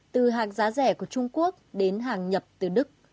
từ hàng giá rẻ của trung quốc đến hàng nhập từ đức